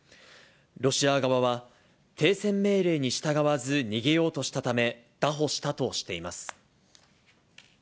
ロシア側は、停船命令に従わず逃げようとしたため、拿捕したとしています。